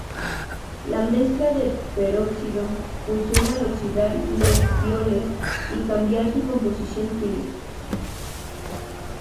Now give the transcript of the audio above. La mezcla de peróxido funciona al oxidar los tioles y cambiar su composición química.